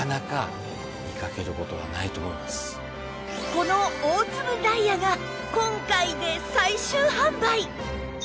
この大粒ダイヤが今回で最終販売！